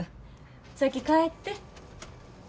先帰って。